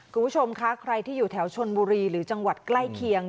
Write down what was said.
คุณผู้ชมคะใครที่อยู่แถวชนบุรีหรือจังหวัดใกล้เคียง